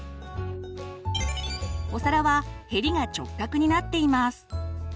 お皿はヘリが直角になっています。